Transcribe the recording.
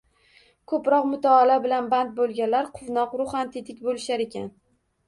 Ko‘proq mutolaa bilan band bo‘lganlar quvnoq, ruhan tetik bo‘lishar ekan.